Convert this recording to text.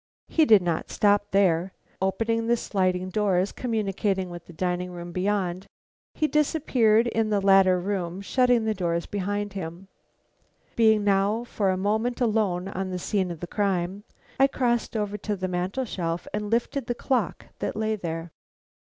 He did not stop there. Opening the sliding doors communicating with the dining room beyond, he disappeared in the latter room, shutting the doors behind him. Being now alone for a moment on the scene of crime, I crossed over to the mantel shelf, and lifted the clock that lay there.